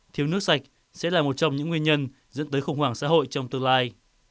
thiếu nước sạch sẽ là một trong những nguyên nhân dẫn tới khủng hoảng xã hội trong tương lai